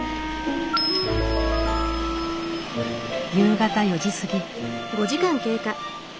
夕方４時過ぎ。